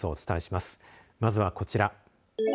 まずはこちら。